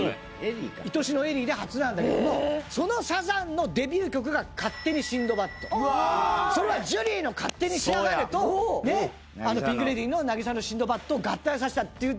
『いとしのエリー』で初なんだけどもそのサザンのデビュー曲がそれはジュリーの『勝手にしやがれ』とピンク・レディーの『渚のシンドバット』を合体させたっていう。